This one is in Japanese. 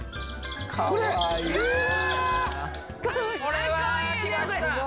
これはきました！